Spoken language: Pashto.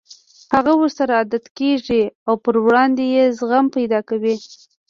هغه ورسره عادت کېږي او پر وړاندې يې زغم پيدا کوي.